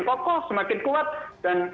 kokoh semakin kuat dan